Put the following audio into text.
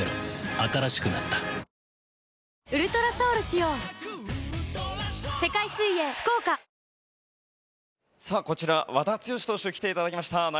新しくなったこちら和田毅投手に来ていただきました。